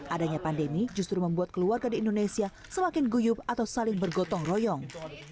adanya pandemi justru membuat keluarga di indonesia semakin guyup atau saling bergotong royong